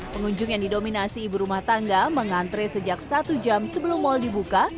pengunjung yang didominasi ibu rumah tangga mengantre sejak satu jam sebelum mal dibuka